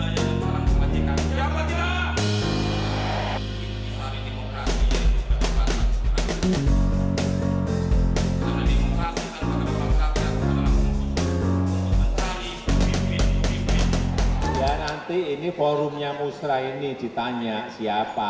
ya nanti ini forumnya musrah ini ditanya siapa